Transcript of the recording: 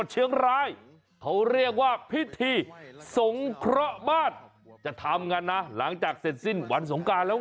อีกหนึ่งวิธีที่เขาปัดเป่าสิ่งไม่ดีและจะทำวิธีนี้หลังจากสงครานครับ